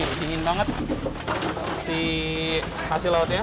ini dingin banget si hasil lautnya